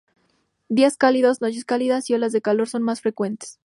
Días cálidos, noches cálidas, y olas de calor son más frecuentes.